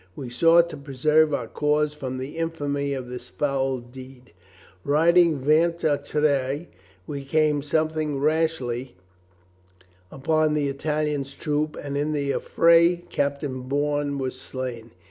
We sought to preserve our cause from the infamy of this foul deed. Riding ventre a terre, we came something rashly upon the Italian's troop and in the affray Captain Bourne was slain.